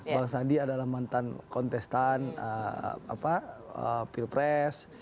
bang sandi adalah mantan kontestan pilpres